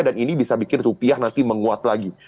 dan ini bisa bikin rupiah nanti menguat lagi